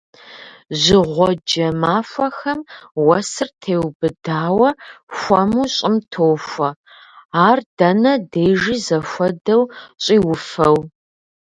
Жьыгъуэджэ махуэхэм уэсыр теубыдауэ, хуэму щӏым тохуэ, ар дэнэ дежи зэхуэдэу щӏиуфэу.